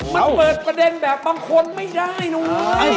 มันเปิดประเด็นแบบบางคนไม่ได้เลย